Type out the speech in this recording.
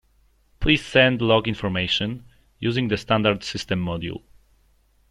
Please send log information using the standard system module.